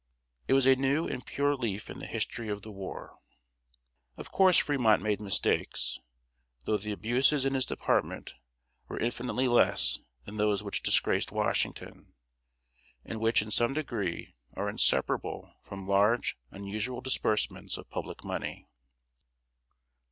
It was a new and pure leaf in the history of the war. Of course Fremont made mistakes, though the abuses in his department were infinitely less than those which disgraced Washington, and which in some degree are inseparable from large, unusual disbursements of public money.